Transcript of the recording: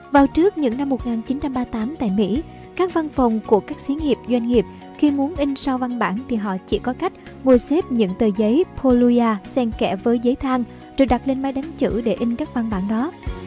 vào trước những năm một nghìn chín trăm ba mươi tám tại mỹ các văn phòng của các sĩ nghiệp doanh nghiệp khi muốn in sau văn bản thì họ chỉ có cách mua xếp những tờ giấy poluia sen kẽ với giấy thang rồi đặt lên máy đánh chữ để in các văn bản đó